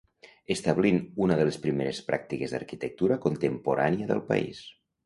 Establint una de les primeres pràctiques d'arquitectura contemporània del país.